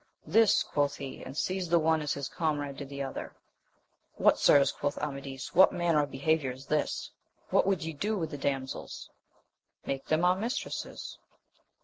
This ! quoth he, and seized the one, as his comrade did the other* "VfYiaX), ^^\ o^^"^ 86 AMADIS OF GkUL. » Amadis, what manner of behariour is this? what would ye do with the damsels 1 — ^Make them our mistresses!